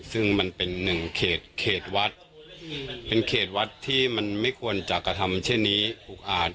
ซึ่งมันเป็นหนึ่งเขตเขตวัดเป็นเขตวัดที่มันไม่ควรจะกระทำเช่นนี้อุกอาจ